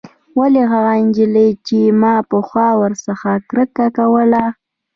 ولې هغه نجلۍ چې ما پخوا ورڅخه کرکه کوله.